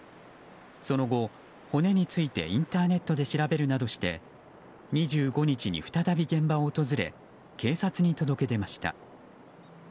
その後、骨についてインターネットで調べるなどして２５日に再び現場を訪れ警察に届け出ました。